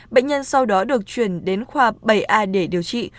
bệnh nhân sau đó được chuyển đến khoa bảy a để điều trị